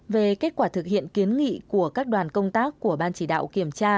về kết quả thực hiện kiến nghị của các đoàn công tác của ban chỉ đạo kiểm tra